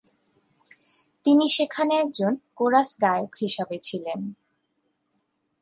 তিনি সেখানে একজন কোরাস গায়ক হিসাবে ছিলেন।